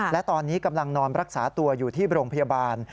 และตอนนี้กำลังนอนรักษาตัวอยู่ที่โรงพยาบาล